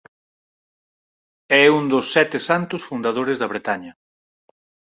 É un dos sete santos fundadores da Bretaña.